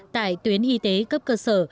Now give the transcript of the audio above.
tại tuyến y tế cấp cơ sở